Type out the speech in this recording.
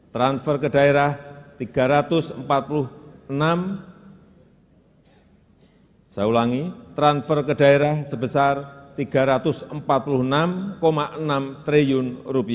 transfer ke daerah sebesar rp tiga ratus empat puluh enam enam triliun